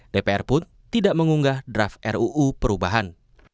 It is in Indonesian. dpr pun tidak mengunggah draft ruu perubahan